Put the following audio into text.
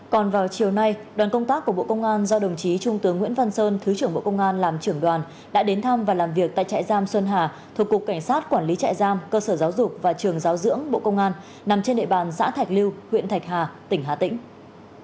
còn vào chiều nay đoàn công tác của bộ công an do đồng chí trung tướng nguyễn văn sơn thứ trưởng bộ công an làm trưởng đoàn đã đến thăm và làm việc tại trại giam xuân hà thuộc cục cảnh sát quản lý trại giam cơ sở giáo dục và trường giáo dưỡng bộ công an nằm trên địa bàn xã thạch lưu huyện thạch hà tỉnh hà tĩnh